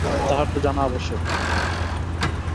তাঁহার তো জানা আবশ্যক।